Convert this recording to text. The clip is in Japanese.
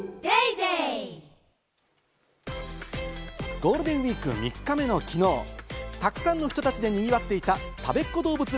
ゴールデンウイーク３日目の昨日、たくさんの人たちでにぎわっていた、たべっ子どうぶつ